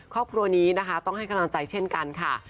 ครอบครัวนี้นะคะต้องให้กำลังใจเช่นกันค่ะ